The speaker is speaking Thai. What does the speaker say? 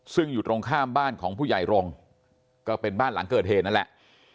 ซึ่งอยู่ตรงข้ามบ้านของผู้ใหญ่รงค์ก็เป็นบ้านหลังเกิดเหตุนั่นแหละ